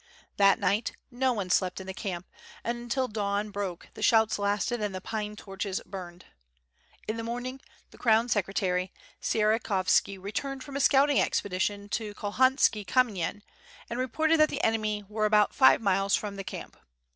That night no one slept in the camp; and until the dawn broke the shouts lasted and the pine torches burned. In the morning the crown secretary Sierakovski returned from a scouting expedition to Cholhanski Kamyen and re ported that the enemy were about five miles from the camp.